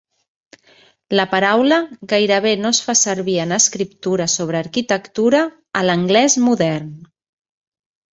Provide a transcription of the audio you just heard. La paraula gairebé no es fa servir en escriptura sobre arquitectura a l'anglès modern.